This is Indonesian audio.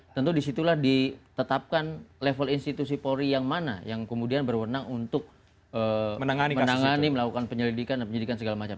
tentu disitulah ditetapkan level institusi polri yang mana yang kemudian berwenang untuk menangani melakukan penyelidikan dan penyelidikan segala macam